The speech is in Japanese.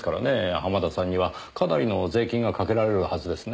濱田さんにはかなりの税金がかけられるはずですねぇ。